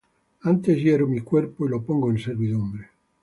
Antes hiero mi cuerpo, y lo pongo en servidumbre;